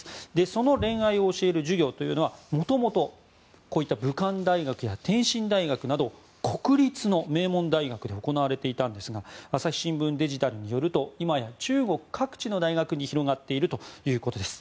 その恋愛を教える授業はもともと武漢大学や天津大学など国立の名門大学で行われていたんですが朝日新聞デジタルによると今や中国各地の大学に広がっているということです。